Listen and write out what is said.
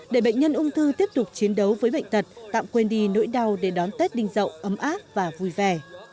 để bệnh nhân ung thư tiếp tục chiến đấu với bệnh tật tạm quên đi nỗi đau để đón tết đinh dậu ấm áp và vui vẻ